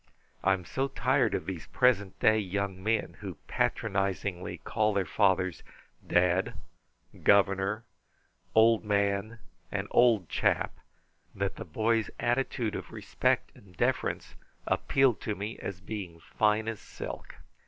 "I am so tired of these present day young men who patronizingly call their fathers 'Dad,' 'Governor,' 'Old Man' and 'Old Chap,' that the boy's attitude of respect and deference appealed to me as being fine as silk.